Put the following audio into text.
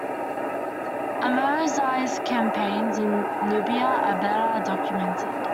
Ahmose I's campaigns in Nubia are better documented.